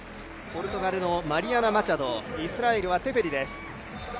ポルトガルのマリアナ・マチャドイスラエルはテフェリです。